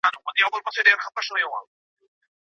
ماشومان له کلونو زده کړه کوله.